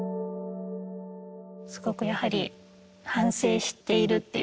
すごくやはり「反省している」っていう言葉をもらって。